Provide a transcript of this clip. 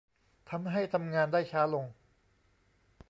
ทำให้ทำงานได้ช้าลง